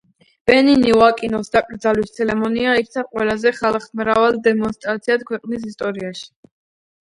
ბენინიო აკინოს დაკრძალვის ცერემონია იქცა ყველაზე ხალხმრავალ დემონსტრაციად ქვეყნის ისტორიაში.